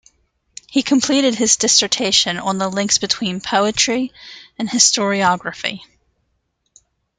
He completed his dissertation on the links between poetry and historiography.